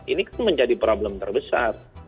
ini kan menjadi problem terbesar